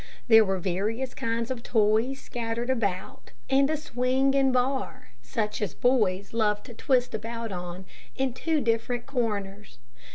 There were various kinds of toys scattered about and a swing and bar, such as boys love to twist about on, in two different corners.